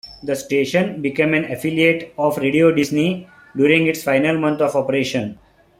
The station became an affiliate of Radio Disney during its final month of operation.